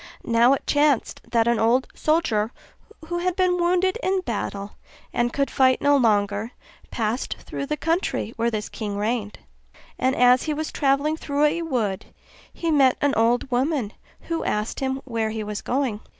Now it chanced that an old soldier, who had been wounded in battle and could fight no longer, passed through the country where this king reigned: and as he was travelling through a wood, he met an old woman, who asked him where he was going.